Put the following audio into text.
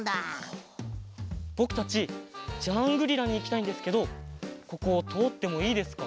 ぼくたちジャングリラにいきたいんですけどこことおってもいいですか？